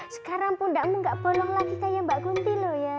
sekarang pundakmu tidak bolong lagi seperti mbak gumpi